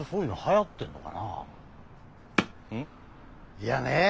いやねぇ